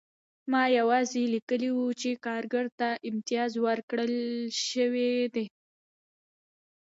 ما یوازې لیکلي وو چې کارګر ته امتیاز ورکړل شوی دی